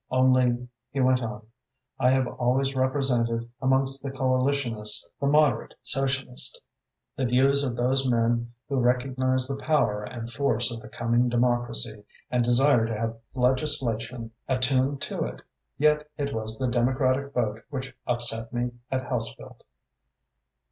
Only," he went on, "I have always represented, amongst the coalitionists, the moderate Socialist, the views of those men who recognise the power and force of the coming democracy, and desire to have legislation attuned to it. Yet it was the Democratic vote which upset me at Hellesfield."